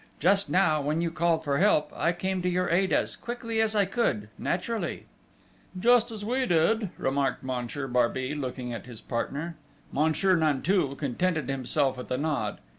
Just now, when you called for help, I came to your aid as quickly as I could, naturally!" "Just as we did!" remarked Monsieur Barbey, looking at his partner. Monsieur Nanteuil contented himself with a nod.